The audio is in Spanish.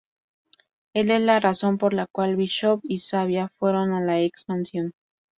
Él es la razón por la cual Bishop y Sabia fueron a la X-Mansión.